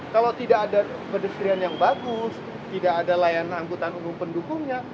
kalau tidak ada pedestrian yang bagus tidak ada layanan angkutan umum pendukungnya